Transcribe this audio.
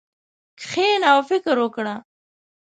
کښېنه او فکر وکړه.